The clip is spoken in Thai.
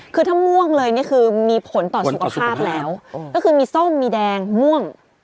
คือถ้าม่วงเลยนี่คือมีผลต่อสุขภาพแล้วก็คือมีส้มมีแดงม่วง